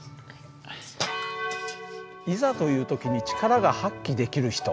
いざという時に力が発揮できる人。